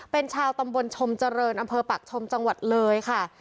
เป็นชาวตำบลชมเจริญอำเภอปากชมจังหวัดเลยค่ะ